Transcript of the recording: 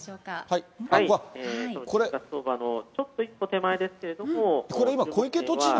ちょっと一歩手前ですけど。